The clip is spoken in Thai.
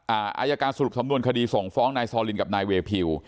อายการสรุปสำนวนคดีส่งฟ้องนายซอลินกับนายเวพิว